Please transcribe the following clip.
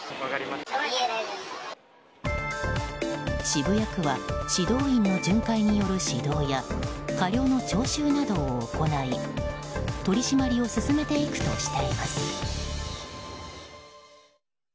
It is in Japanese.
渋谷区は指導員の巡回による指導や過料の徴収などを行い取り締まりを進めていくとしています。